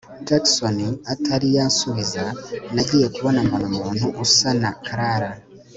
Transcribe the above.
Jackson atari yansubiza nagiye kubona mbona umuntu usa na Clara